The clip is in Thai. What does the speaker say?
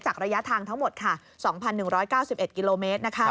ระยะทางทั้งหมดค่ะ๒๑๙๑กิโลเมตร